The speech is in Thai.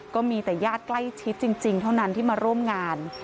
ก็มีแต่ญาติใกล้ชิดจริงเท่านั้นที่มาร่วมงาน